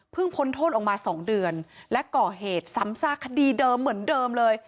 พ้นโทษออกมา๒เดือนและก่อเหตุซ้ำซากคดีเดิมเหมือนเดิมเลย